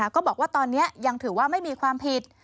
ก็บอกว่าตอนนี้ยังถือว่าไม่มีความผิด